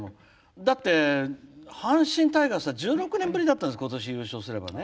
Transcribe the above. だって阪神タイガースは１６年ぶりだったんですことし、優勝すれば。